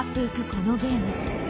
このゲーム。